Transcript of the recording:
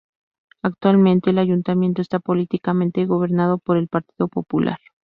Actualmente, el ayuntamiento está políticamente gobernado por el Partido popular.